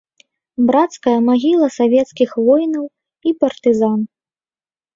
Брацкая магіла савецкіх воінаў і партызан.